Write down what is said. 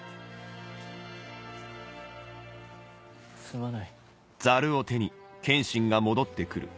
すまない。